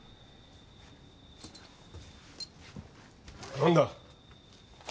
何だ。